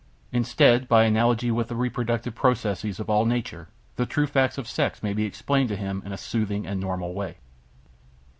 Instead, by analogy with the reproductive processes of all nature, the true facts of sex may be explained to him in a soothing and normal way.